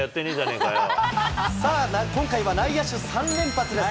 さあ、今回は内野手３連発です。